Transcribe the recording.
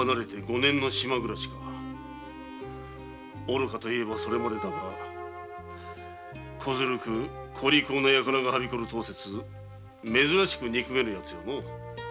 愚かといえばそれまでだが小ずるく小利口なヤカラがはびこる当節憎めんやつよのう。